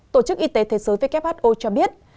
tổ chức y tế thế giới who cho biết